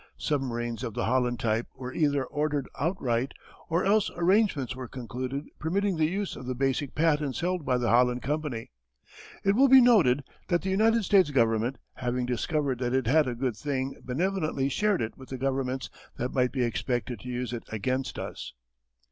Submarines of the Holland type were either ordered outright, or else arrangements were concluded permitting the use of the basic patents held by the Holland Company. It will be noted that the United States Government having discovered that it had a good thing benevolently shared it with the governments that might be expected to use it against us.